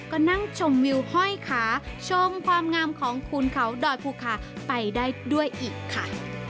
ก็นั่งชมวิวห้อยขาชมความงามของคูณเขาดอยภูคาไปได้ด้วยอีกค่ะ